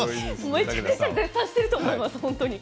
めちゃくちゃ絶賛してると思います。